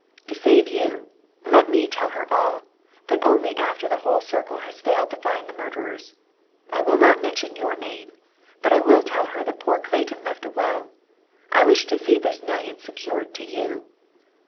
To save you, let me tell her all, but only after the whole circle has failed to find the murderers. I will not mention your name. But I will tell her that poor Clayton left a will. I wish to see this million secured to you.